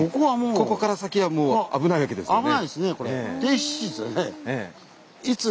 ここから先はもう危ないわけですよね。